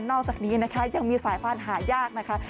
อกจากนี้นะคะยังมีสายพันธุ์หายากนะคะ